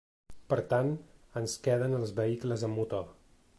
Per tant, ens queden els vehicles amb motor.